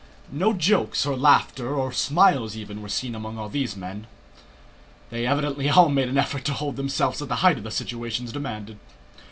No jokes, or laughter, or smiles even, were seen among all these men. They evidently all made an effort to hold themselves at the height the situation demanded.